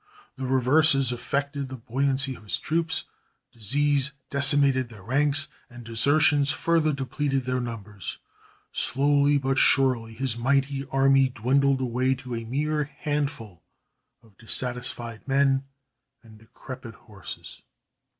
The reverses affected the buoyancy of his troops, disease decimated their ranks, and desertions further depleted their numbers. Slowly but surely his mighty army dwindled away to a mere handful of dissatisfied men and decrepit horses.